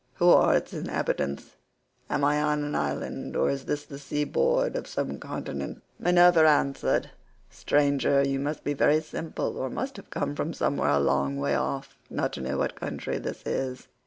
Who are its inhabitants? Am I on an island, or is this the sea board of some continent?" Minerva answered, "Stranger, you must be very simple, or must have come from somewhere a long way off, not to know what country this is.